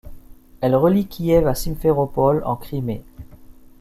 Elle relie Kiev à Simferopol en Crimée.